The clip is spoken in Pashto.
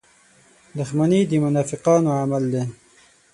• دښمني د منافقانو عمل دی.